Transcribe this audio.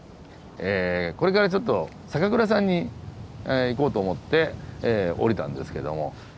これからちょっと酒蔵さんに行こうと思って降りたんですけども。